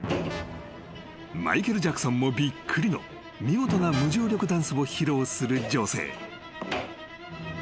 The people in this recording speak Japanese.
［マイケル・ジャクソンもびっくりの見事な無重力ダンスを披露する女性］